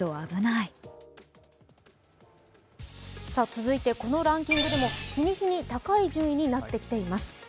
続いてこのランキングでも日に日に高い順位になってきています。